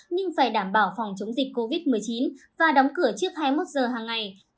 nhưng phải đảm bảo phòng chống dịch covid một mươi chín và đóng cửa trước hai mươi một giờ hàng ngày